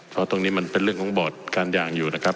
เพราะตรงนี้มันเป็นเรื่องของบอร์ดการยางอยู่นะครับ